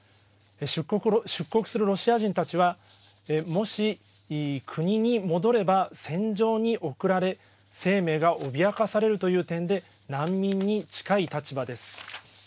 出国するロシア人たちはもし、国に戻れば戦場に送られ生命が脅かされるという点で難民に近い立場です。